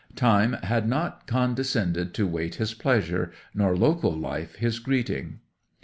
Time had not condescended to wait his pleasure, nor local life his greeting.